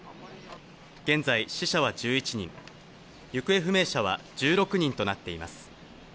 現在、死者は１１人、行方不明者は１６人となっています。